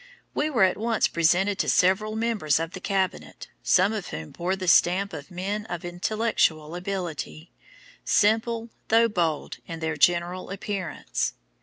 We were at once presented to several members of the cabinet, some of whom bore the stamp of men of intellectual ability, simple, though bold, in their general appearance.